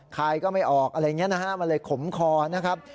ใครก็ไม่ออกมันเลยขมคอนะครับ